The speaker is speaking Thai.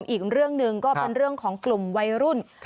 อีกเรื่องหนึ่งก็เป็นเรื่องของกลุ่มวัยรุ่น